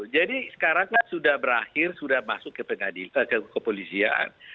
jadi sekarang sudah berakhir sudah masuk ke pengadilan ke kepolisian